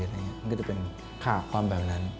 มันก็จะเป็นความแบบนั้น